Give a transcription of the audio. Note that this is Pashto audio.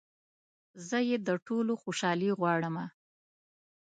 زه يې د ټولو خوشحالي غواړمه